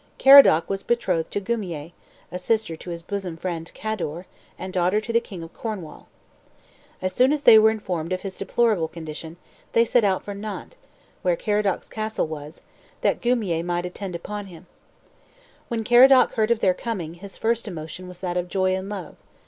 Caradoc was betrothed to Guimier, sister to his bosom friend, Cador, and daughter to the king of Cornwall. As soon as they were informed of his deplorable condition, they set out for Nantes, where Caradoc's castle was, that Guimier might attend upon him. When Caradoc heard of their coming, his first emotion was that of joy and love.